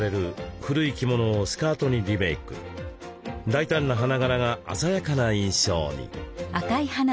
大胆な花柄が鮮やかな印象に。